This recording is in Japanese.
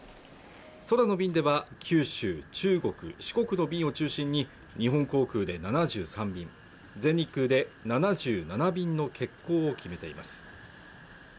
空の便では九州中国四国の便を中心に日本航空で７３便全日空で７７便の欠航を決めています